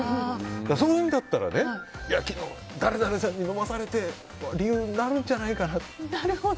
そういうのだったら昨日誰々さんに飲まされてって理由になるんじゃないかなって。